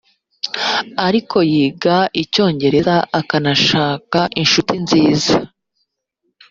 ariko yiga icyongereza akanashaka inshuti nziza